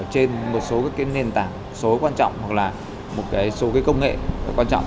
trên một số cái nền tảng số quan trọng hoặc là một số cái công nghệ quan trọng